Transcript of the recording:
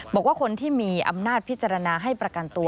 บอกว่าคนที่มีอำนาจพิจารณาให้ประกันตัว